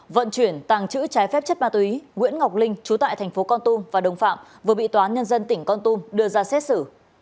vận chuyển tàng chữ trái phép chất ma túy nguyễn ngọc linh chú tại thành phố con tum và đồng phạm vừa bị toán nhân dân tỉnh con tum đưa ra xét xử